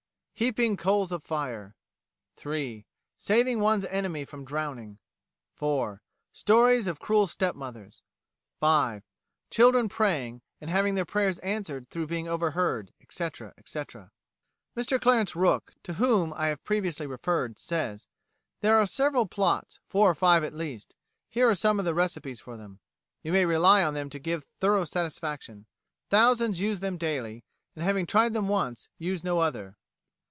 Heaping coals of fire(!) 3. Saving one's enemy from drowning. 4. Stories of cruel step mothers. 5. Children praying, and having their prayers answered through being overheard, etc., etc. Mr Clarence Rook, to whom I have previously referred, says: "There are several plots, four or five, at least. Here are some of the recipes for them. You may rely on them to give thorough satisfaction. Thousands use them daily, and having tried them once, use no other.